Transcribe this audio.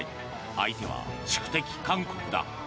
相手は宿敵・韓国だ。